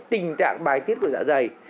tình trạng bài tiết của dạ dày